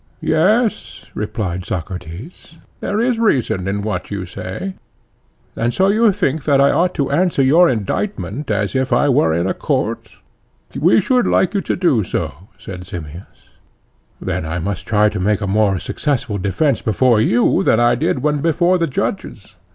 Yes, replied Socrates; there is reason in what you say. And so you think that I ought to answer your indictment as if I were in a court? We should like you to do so, said Simmias. Then I must try to make a more successful defence before you than I did when before the judges.